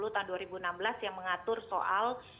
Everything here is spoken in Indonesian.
tahun dua ribu enam belas yang mengatur soal